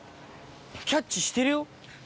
キャッチしてるよ。